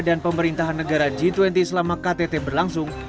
pemerintahan negara g dua puluh selama ktt berlangsung